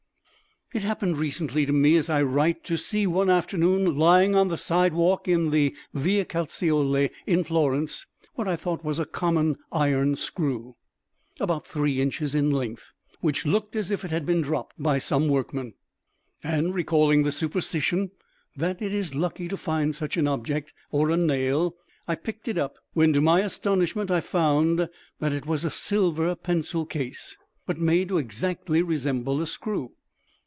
It happened recently to me, as I write, to see one afternoon lying on the side walk in the Via Calzaioli in Florence what I thought was a common iron screw, about three inches in length, which looked as if it had been dropped by some workman. And recalling the superstition that it is lucky to find such an object, or a nail, I picked it up, when to my astonishment I found that it was a silver pencil case, but made to exactly resemble a screw.